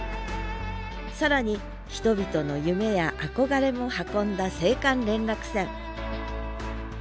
更に人々の夢や憧れも運んだ青函連絡船